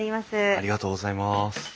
ありがとうございます。